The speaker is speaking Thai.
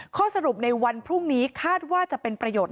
ข้อสรุปในวันพรุ่งนี้คาดว่าจะเป็นประโยชน